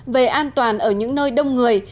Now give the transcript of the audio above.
về an toàn ở những nơi đông người